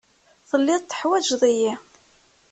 Telliḍ teḥwajeḍ-iyi.